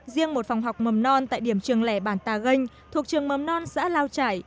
riêng một phòng học mầm non tại điểm trường lẻ bản tà ganh thuộc trường mầm non xã lao trải